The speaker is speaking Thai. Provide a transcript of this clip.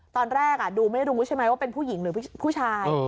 ตอนแรกดูไม่รู้ใช่ไหมว่าเป็นผู้หญิงหรือผู้ชาย